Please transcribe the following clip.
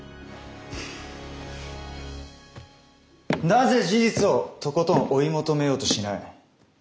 なぜ事実をとことん追い求めようとしない。